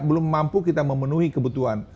belum mampu kita memenuhi kebutuhan